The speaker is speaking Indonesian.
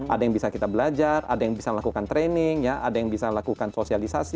ada yang bisa kita belajar ada yang bisa melakukan training ada yang bisa lakukan sosialisasi